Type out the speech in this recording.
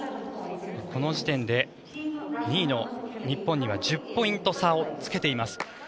この時点で２位の日本には１０ポイント差をつけています。